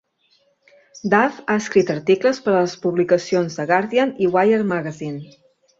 Duff ha escrit articles per a les publicacions "The Guardian" i "Wire Magazine".